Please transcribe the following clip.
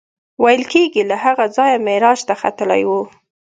ویل کېږي له هغه ځایه معراج ته ختلی و.